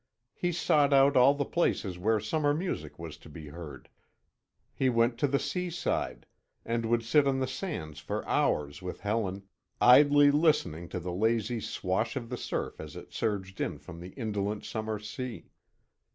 He sought out all the places where summer music was to be heard. He went to the sea side, and would sit on the sands for hours with Helen, idly listening to the lazy swash of the surf as it surged in from the indolent summer sea.